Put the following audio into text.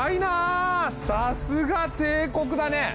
さすが帝国だね！